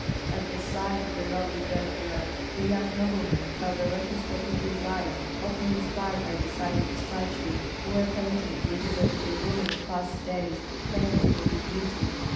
At the sight of the lovely dead girl, the young nobleman felt the retrospective desire often inspired by the sight of a statue or a painting representing a woman of past days famous for her beauty.